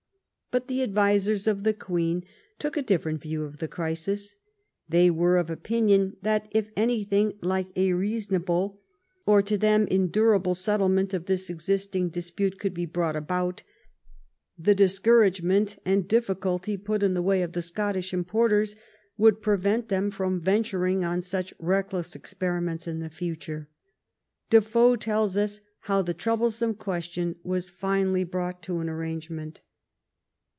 But the advisers of the Queen took a different view of the crisis. They were of opinion that, if anything like a reasonable, or to them endur able, settlement of this existing dispute could be brought about, the discouragement and difficulty put in the way of the Scottish importers would prevent them from venturing on such reckless experiments in the future. Defoe tells us how the troublesome question was finally brought to an arrangement.